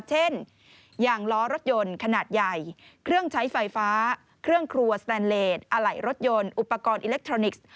เช่นอย่างล้อรถยนต์ขนาดใหญ่เครื่องใช้ไฟฟ้าเครื่องครัวสแตนเลสอะไหล่รถยนต์อุปกรณ์อิเล็กทรอนิกส์